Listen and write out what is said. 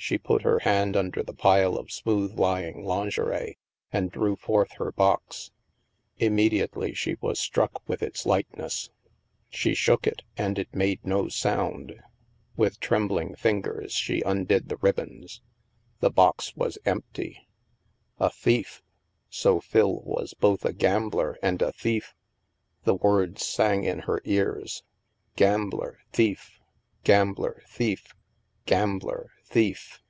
She put her hand under the pile of smooth lying lingerie and drew forth her box. Immediately she was struck with its lightness. She shook it, and it made no sound. With trembling fingers, she undid the rib bons. The box was empty ! A thief! So Phil was both a gambler and a thief. The words sang in her ears :*' Gambler, thief. Gambler, thief. Gambler, thief!"